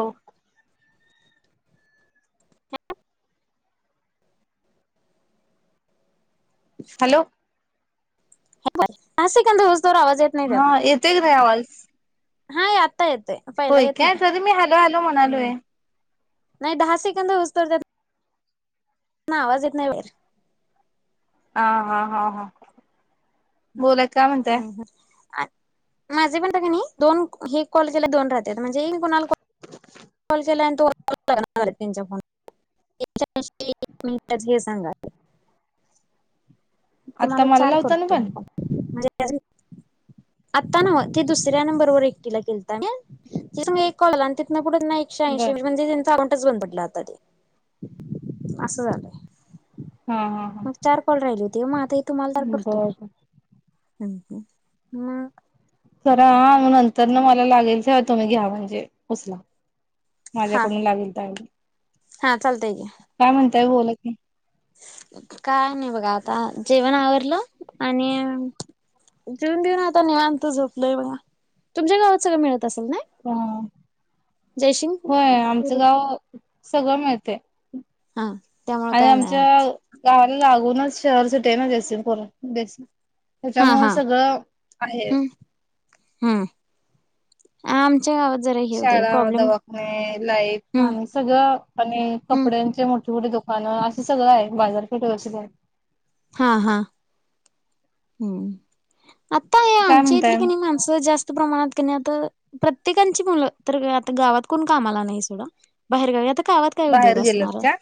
हो हॅलो असे कांद रोज दो आवाज येत नाही हा त्यातन येतेय क नाही आवाज हा आता येते होय काय तरी मी हॅलो हलो म्हणालो आहे नाही दहा सेकंद उचत आवाज येत नाही वेर ह हा हा हा बोलाय का हम् हम माझे पण का नाही दोन हे कॉलेजला दोन राहतात म्हणजे कोणाला कॉल केला आणि तूणार त्यांच्या फोन च्या मििटच हे सांगा आता तुम्हाला मला चार लावता ना करतो मी पण म्हणजे आत्ता नव ते दुसऱ्या नंबरवरर एकटीला केलतात तिथ कळलं आणि तिं पुढ नाही एकशे बर. ऐंशी म्हणजे त्यांचा अकाऊंटच बंद पडला होता ते असं झालंय हा हा मग चार पल राहिले होते मग आता हे तुम्हाला तर करतो बर बर मग जराा नंतर ना मला लागेल तुम्ही घ्या म्हणजे उचला मजा हा करून लागेल तर हा चालत आहे क काय म्हणताय बोलत नाही काय नाही बघा आता जेवण आवरलं आणि जेऊन घेऊन आता निवांत झोपलय बघा तुमच्या गावात सगळं मिळत असेल ना ह जयसिंग होय आमचं गाव सगळं मिळतेय हा त्यामुळे आणि काय नाही आमच्या गावाला लागूनच शहरसाठीट आहे ना जसीन बस हा हा आहे हम् हम्म आम गात जरा हे होते शाळा प्रॉब्लेम दवाखने लाईट हम्म खणी सगळं आणि हम्म कपड्यांचे मोठे मोठे दोक पण असं सगळं आहे बाजारपेठे व अस आहे. हा हा. हम्म आता हे काय आमच्या म्हणताय इथली क नाही माणसं जास्त प्रमाणात आता प्रत्येकांची मुलं तर आ गावात कोण कामाला नाही सोड बाहेरगावी आता काय का उद्योग बाहेर गेलत असणार का?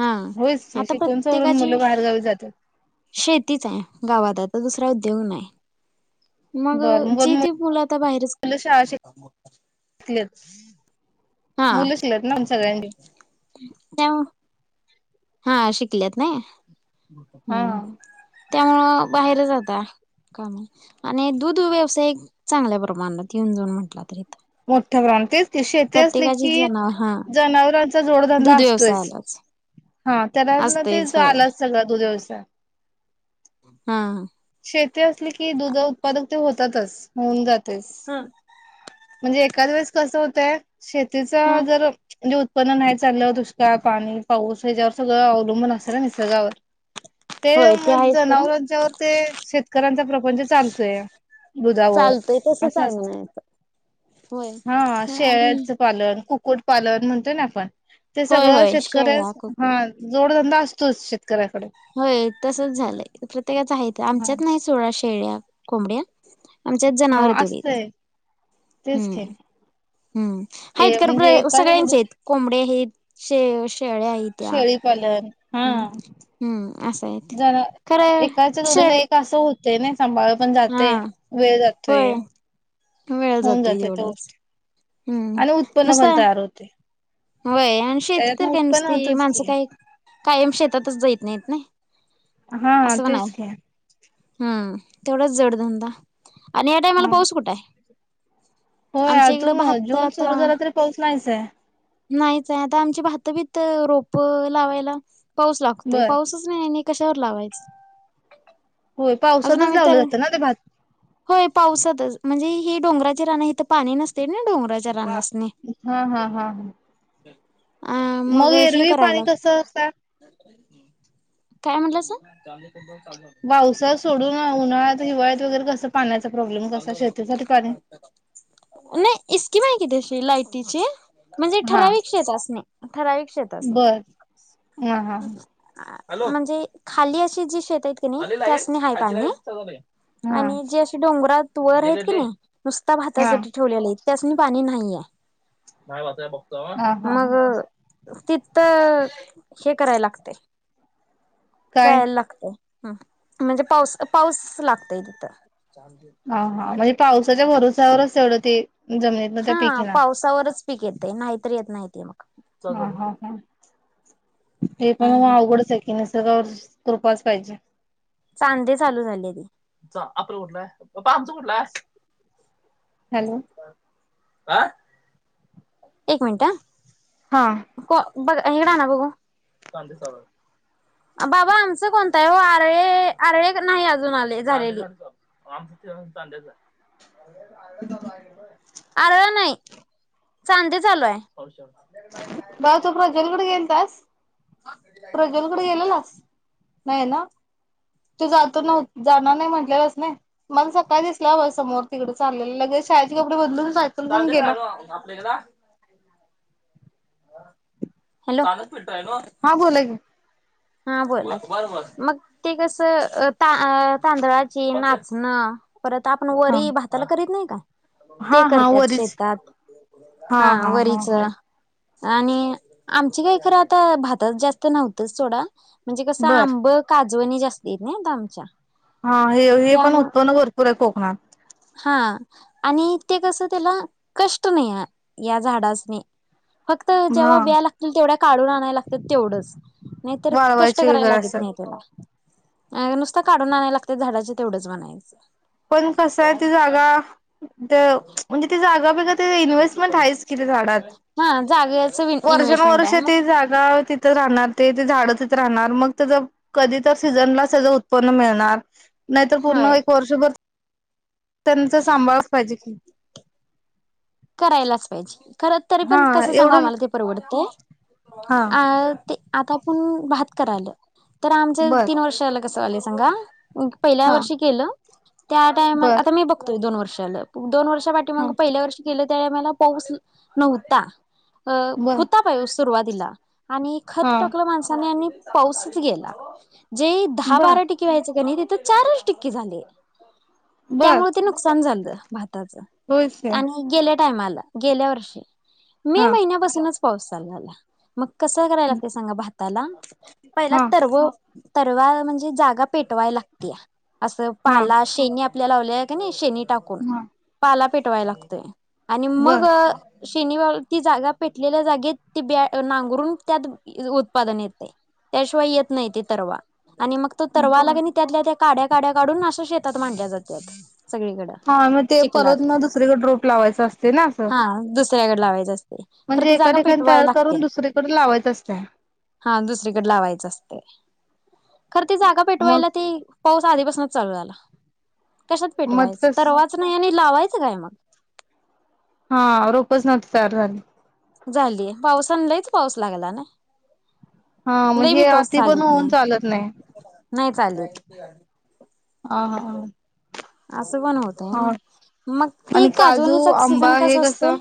हा होयच की आता शिकून सवरून प्रत्येकाचे मुलं बाहेरगावी जातात. शेतीच आहे गावात आता दुसरा उद्योग नाही मग बर जेथे मुलं फूलं आता बाहेरच. श हा मुलं शिलत ना आम सगळ्यांनी. त्या हा शिकल्यात नाही हा ह् त्यामुळं बाहेर जाता. काय म्ह आणि दूध व्यवसाय चांगल्या प्रमाणात येऊन जाऊन म्हटला तरी इथ मोठ्या प्रमाणातच त शेती असले की. जनाव हा जनावरांचा जोडधंदा दूध असतोच. व्यवसायालाच हा त्याला ते असतयच होय आलंच सगळ दो दिवसा हा. शेती असली की दुध उत्पादक ते होतातच होऊन जातेस. हा म्हणजे एखकाद वेळेस कसं होतय शेतीचा जर म्हणजे प् नाही चाललं दुष्काळ पाणी पाऊस याच्यावर सगळं अवलंबून असे ना निसर्गावर ते होय मग आहेच खरं जनावरांच्यावर ते शेतकऱ्यांचा प्रपंच चालतोय. बुदावर चालतंय तसच असं आहे असत. म्हणायचं होय आणि. शेळ्याचं पालन कुक्कुट पालन म्हणतोय ना आपण ते होय सगळं होय शेतकऱ्या शेळ्या कुकरी हा जोडधंदा असतोच. शेतकऱ्याकडे होय तसच झालंय प्रत्येकाच आहे हा आमच्यात नाही सोळा शेळ्या कोंबड्या आमच्याच हा जनावर तेवढ. असतंय तेच हम्म की हम्म ए आहेत म्हणजे का एकाच्या जोडी सगळ्या्यांचे आहेत. कोंबडे आहेत शे शेळे आहेत. त्या शेळीपालन हा हम्म हम्म असं आहेत जरा खरं एकाच्या जडीला शेड एक असं होत. ते नाही सांभाळ पण हा जाते वेळ जातोय. होय वेळ होऊन जातोय जाते त्या तेवढाच गोष्टी हम्म आणि उत्पन्न नुसता पण तयार होते. होय आणि शेती त्याच्यातन तर काय उत्पन्न नुसती होतच माणसं की काय. कायम शेतातच जायत नाहीत ना हा असंण. तेच की हम् तेवढाच जोडधंदा. आणि या टायमाला हा पाऊस कुठे आहे होय आमच्या इकड अजून भातत जून सुरू आता. झाला तरी पाऊस नाहीे. नाहीच आहे आता आमची भात भीत रोप लावायला पाऊस लागतोय बर पाऊसच. नाही कशावर लावायचं. होय पावसातच लावले तर जातं ना ते भात होय पावसातच म्हणजे ही डोंगराचे रान हथं पाणी नसते ना डोंगराचे राना असणे. हा हा हा हा. अ मग हे एरवी पाणी करायला. कसं असता काय म्हटलंच. पावसा सोडून उन्हाळ्यात हिवाळ्यात वगैरे कस पाण्याचा प्रॉब्लेम कसा शेतीसाठी पाणी. नाही इस्कीम आहे कितीशी लाइटीची. म्हणजे हा ठराविक शेत असणे ठराविक शेत असणे. बर हा हा म्हणजे खाली अशी जी शेत आहेत की नाही ती अस नाहीहा पाणी. हा आणि हा जे अे डोंगरात वर आहेत की नाही नुसता भातासाठी ठेवलेला आहेत. त्यासनी पाणी नाहीयघतो हा हा मग. हा तिथ हे करायला लागतय. काय जायला लागतय. ह् म्हणजे पाऊस पाऊस लागतय तिथं. हा, हा म्हणजे पावसाच्या भरसावरच तेवढं ते जम- हा पावसावरच पीक येते नाहीतरी येत नाहीती मग. ह ह हा. हे पण ह ह अवघडच आहे की नाही स कृपाच पाहिजे. चांदे चालू झाले त आपलंठ. पामच म्हुठला हॅलो हं. एक मिनटं हा. हा बघ हिकड आणा बघू - बाबा आमचं कोणत आहे ओ, आरवे आरवे नाही अजून आले, झालेली. [unintelligible] अराळ नाही, चांदे चालू आहे. बाळ तू प्रज्वल कडे गेलतास. प्रज्वल कडे गेलेलास. नाही ना, तो जातो नवत जाणार नाही म्हटलेलास नाही, मला सकाळी दिसला बा समोर तिकडे चाललेलं. लगेच शाळेचे कपडे बदलून जात. चांदे, [unintelligible] आपल्या इकडं. हॅलो. हा बोला की हा बोला मग ते कसं, ता तांदळाची नाचना. परत आपण हा वरी भाताला करीत नाही का? ते हा हा करत्यात वरीच शेतात, हा वरीच आणि, आमची काय खरं आता भाताच जास्त नव्हतंच सोडा. म्हणजे कसं बर आंब, काजवणी जास्ती हाइत नी आमच्या. हा. हे, हे पण त्यामुळं उत्पन्न भरपूर आहे कोकणात. हा, आणि ते कस, त्याला कष्ट नाही हाय. या झाडासनी. फक्त जेव्हा हा ब्या लागतील तेवढ्या काढून आणायला लागत्यात तेवढंच, नाहीतर कष्ट वाळवायची करायला वगैरे लागीत असतात नाही त्याला, नुसत काढून आणायला लागतय झाडाच तेवढंच म्हणायचं. पण कसं हाय ती जागा म्हणजे ती जागा बिगा ते इन्व्हेस्टमेंट हायच की. तिथ झाडात, हा जागेच वर्षण इन्व्हेस्टमेंट वर्ष आहे मग ती जागा. तिथ राहणार, ते झाडं तिथ राहणार मग त्यां कधी तर सीझनला त्या उत्पन्न मिळणार, नाहीतर पूर्ण होय एक वर्षभर त्यांच सांभाळच पाहिजे की करायलाच पाहिजे. खरं तरी हा पण कसं सांगू एवढं आम्हाला ते परवडतय हा अ ते आता आपण भात करायलो, तर आमचं बर तीन वर्षा झाल कसं व्हालय सांगा. पहिल्या हा वर्षी केलं, त्या टायमाला, बर आता मी बघतोय दोन वर्ष झाल. दोन वर्षा पा हा पाठीमागं, पहिल्या वर्षी केलं त्या टायमाला पाऊस नव्हता, बर हुता. पाऊस सुरुवातीला आणि खत हा टाकलं माणसानी आणि पाऊसच गेला. जे दहा बर बारा टिके व्हायचे काय नाही तिथ चारच टिके झाले. त्यामुळे ते नुकसान झालं भाताचं. हो [unintelligible] आणि गेल्या टायमाला गेल्या वर्षी मे हा महिन्यापासूनच पाऊस चालु झाला. मग कसं करायला लागतय सांगा भाताला, पहिला हा तरव तरवा म्हणजे जागा पेटवाय लागत्या अस हा पाला. शेनी आपल्या लावल्या किनी शेनी टाकून, हा पाला पेटवाय लागतय. आणि मग बर शेनी ती जागा पेटलेल्या जागेत ती ब नांगरून त्यात उत्पादन येतय. त्याशिवाय येत नाही ते तरवा आणि मग तो तरवा ला क बर नाही त्यातल्या त्या काड्या काड्या काढून असं शेतात मांडल्या जातात. सगळीकडं हा मग ते चिखलात परत ना दुसरीकडे रोप लावायचं असत. ना असं हा दुसऱ्याकडे लावायच असते खरं म्हणजे ती एका जागा ठिकाणी पेटवायला तयार लागते करून दुसरीकड लावायचं असतय. हा दुसरीकडे लावायचं असतय खरं ते जागा मग पेटवायला ती पाऊस आधीपासूनच चालू झाला, कशात मग पेटवायचं तस तरवाचं नाही आणि लावायचं काय मग. हा रोपच नव्हती तयार झाली. झालीय पावसाला तर पाऊस लागला ना. हा मग लई बी हे पाऊस आधी पण चालत होऊन नाही चालत नाही. नाही चालत. ह हा ह. असं पण होत आहे ना मग ती आणि काजू काजवनीचि पण आंबा हे कसं असतं.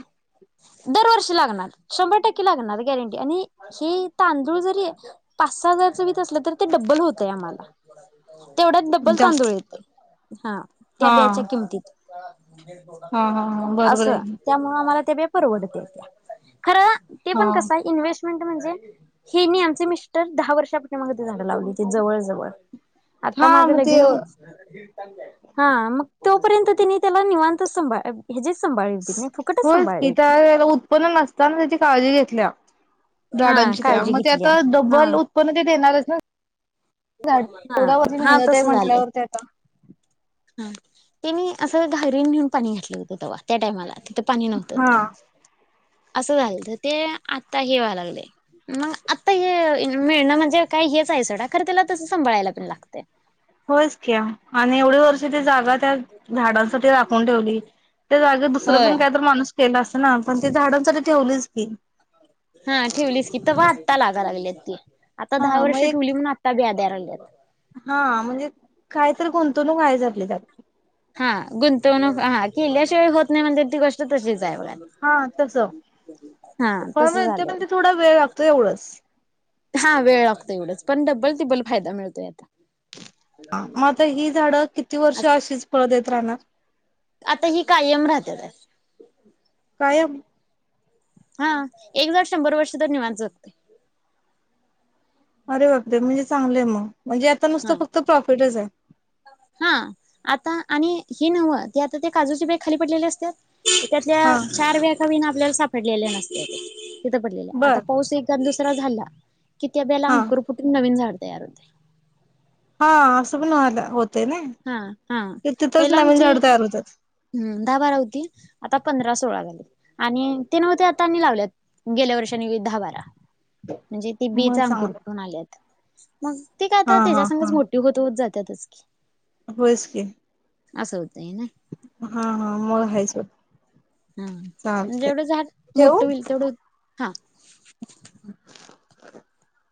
दरवर्षी लागणार शंभर टक्के लागणार गॅरंटी आणि हे तांदूळ जरी पाच सहा हजारचं वीध असलं तर ते डबल होतंय आम्हाला तेवढ्या डबबल तांदूळ जास्त येते हा त्या हा ब हा हा हा बरोबर असं आहे की त्या आ्हाला पेरड खर हा पण क इन्व् म्हणजे हे आमचे मिस्टर दहा वर्षाप ते झाड लावली जवळ जवळ आता हा माझं मग ते लगिन हा मग तोपर्यंत तिने त्याला निवांतच सांभळ ह्याजेच सांभाळ देत नाही फुकटच होयच सांभाळले की त्या उत्पन्न नसताना त्याची काळजी घेतल्या हा झाडांची त्या काळजी मग घेतल्या आता हा डबल पण ते देणारच ना हा थोडा मधी हा मेहनत आहे म्हटल्यावर त्यात तेनी असं घारीन नेऊन पाणी घातलं होतं तेव्हा त्या टायमाला तिथं पाणी नव्हतं हा तर असं झालं तर ते आता हेवा लागले मग आता हे मिळणं म्हणजे काही हेच आहे संडा खरं त्याला तस सांभाळायला पण लागते होच क्या आणि एवढे वर्ष ते जागा झाडांसाठी राखून ठेवली जाग दुसर होय पण काय माणूस केलं अस ना पण त झाडांसाठी ठेवलीच की हा ठेवलीस की ते आत्ता लागा लागलीत ती आता हा दहा मग वर्ष एक ठेवली म्हणून आत्ता ब्या द्याय लागल्यात हा म्हणजे कायत गुंतवणूक आहे झाातली त्या हा गुंतवणूक हा केल्ल्याशिवाय होत नाही म्हणे ती गोष्ट तशीच आहे बघा हा तस हा पण तसं ते म्हण झालंय ते थोडा वेळ लागतो एवढंच हा वेळ लागतो एवढंच पण बल ति्बल फायदा मिळतोय आता हा मग आता ही झाडं किती वर्ष अशीच पळ देत राहणार आता ही कायम राहते आहे काय हा एक जर शंभर वर्ष तर निवच जगते अरे बापरे म्हणजे चांगले आहे मग म्हणजे आता नुसतं हा फक्त प्रॉफिटच आहे हा आता आणि हे नवं ते आता ते काजूचे बॅग खाली पडलेले असतात त्यातल्या हा चार व्याखावीना आपल्याला सापडलेले नसते तिथं पडलेल्या आता बर पाऊस एक दुसरा झाला कि त्याब्याला हा अंकूर फुटून नवीन झाड तयार होते हा असं पणला होतं ना हा हा तिथंच नवीन झाड तयार होतात हम् दहा बारा होती आता पंधरा सोळा झाली आणि ते नव ते आता त्यांनी लावल्यात गेल्या वर्षानी दहा बारा म्हणजे ती बीच मग अंकूर चांगलं कुठून आलीत मग ते का हा आता हा त्याच्यासगच मोटिव होत होत जातातच की होच के अस अस होतेय ना हा हा म खयच हा जेवढं झाड ठेवू मोठं होईल तेवढं हा [inaudible]